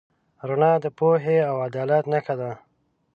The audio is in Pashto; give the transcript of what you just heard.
رڼا د پوهې او عدالت نښه ده.